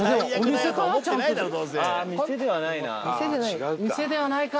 店ではないか。